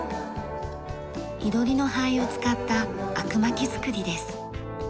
囲炉裏の灰を使った灰汁巻き作りです。